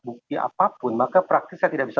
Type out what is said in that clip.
bukti apapun maka praktis saya tidak bisa